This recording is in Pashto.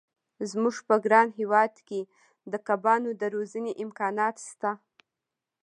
زموږ په ګران هېواد کې د کبانو د روزنې امکانات شته.